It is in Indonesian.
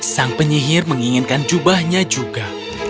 sang penyihir menginginkan jubahnya juga